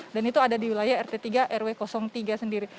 dan itu ada di wilayah rt tiga rw tiga sendiri